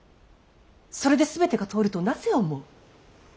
それで全てが通るとなぜ思う。